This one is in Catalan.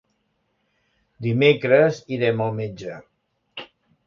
Dimecres irem al metge.